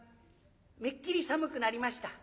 めっきり寒くなりました。